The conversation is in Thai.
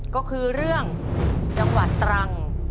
ก็คือเรื่องจังหวัดตรัง